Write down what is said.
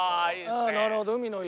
ああなるほど海の家。